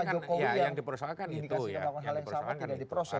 menurut pak jokowi yang indikasikan bahwa hal yang sama tidak diproses